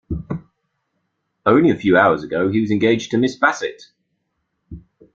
Only a few hours ago he was engaged to Miss Bassett.